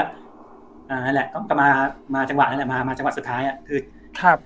นั่นแหละก็มามาจังหวะนั้นแหละมามาจังหวะสุดท้ายอ่ะคือครับ